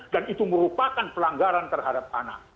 dan itu merupakan pelanggaran terhadap anak